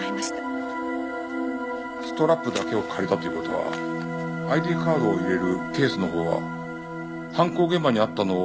ストラップだけを借りたという事はＩＤカードを入れるケースのほうは犯行現場にあったのをそのまま今も使ってるという事ですか？